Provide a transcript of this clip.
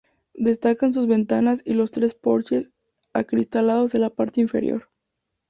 Destacan sus ventanas y los tres porches acristalados de la parte inferior.